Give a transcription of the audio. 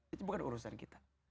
itu bukan urusan kita